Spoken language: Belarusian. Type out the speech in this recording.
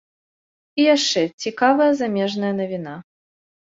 І яшчэ цікавая замежная навіна.